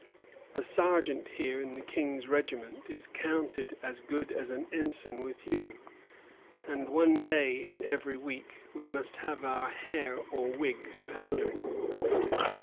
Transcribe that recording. A sergeant here in the King's regiment is counted as good as an ensign with you; and one day in every week we must have our hair or wigs powdered."